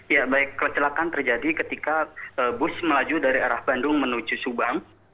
ya baik kecelakaan terjadi ketika bus melaju dari arah bandung menuju subang